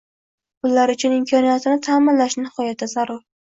Ular uchun imkoniyatini taʼminlash nihoyatda zarur.